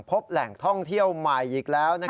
พบแหล่งท่องเที่ยวใหม่อีกแล้ว